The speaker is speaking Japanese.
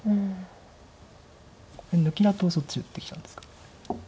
これ抜きだとそっち打ってきたんですか？